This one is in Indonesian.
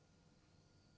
mau bang mamak kenapaan